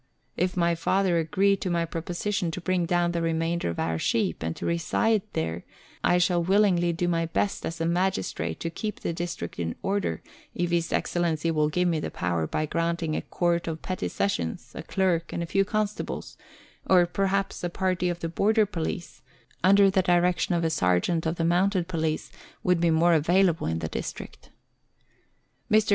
If my father agree to my proposition to bring down the remainder of our sheep, and to reside there, I shall willingly do my best as a magistrate to keep the district in order, if His Excellency will give me the power by granting a Court of Petty Sessions, a clerk, and a few constables; or, perhaps, a party of the border police, under the direction of a Letters from Victorian Pioneers. 133 sergeant of the mounted police, would be more available in the district. Mr.